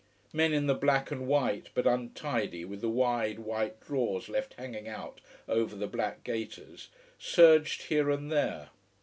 Men in the black and white, but untidy, with the wide white drawers left hanging out over the black gaiters, surged here and there.